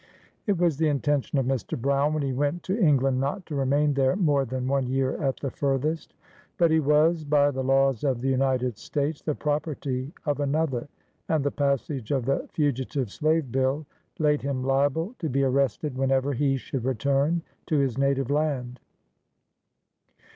It was the intention of Mr. Brown, when he went to England, not to remain there more than one year at the furthest. But he was, by the laws of the United States, the property of another, and the passage of the Fugitive Slave Bill laid him liable to be arrested whenever he should return to his native land.